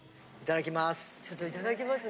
いただきます！